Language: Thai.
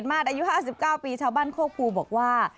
มาตรอายุ๕๙ปีชาวบ้านโคกภูบอกว่า